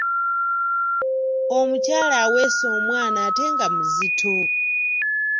Omukyala aweese omwana ate nga muzito.